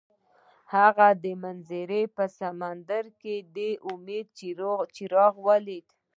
هغه د منظر په سمندر کې د امید څراغ ولید.